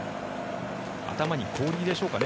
頭に氷でしょうかね。